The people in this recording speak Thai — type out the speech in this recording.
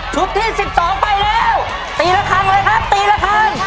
ชุดที่สิบต่อไปแล้วตีละครั้งเลยครับตีละครั้ง